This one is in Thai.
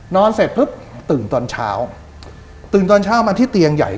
เสร็จปุ๊บตื่นตอนเช้าตื่นตอนเช้ามาที่เตียงใหญ่